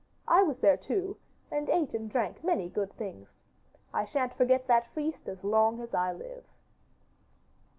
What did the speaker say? I was there too, and ate and drank many good things. I sha'n't forget that feast as long as I live.